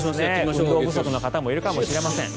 運動不足の方もいるかもしれません。